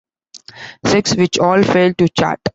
Sex, which all failed to chart.